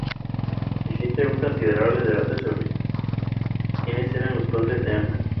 Existe un considerable debate sobre quienes eran los padres de Ana.